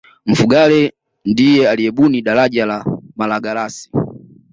mfugale ndiye aliyebuni daraja la malagarasi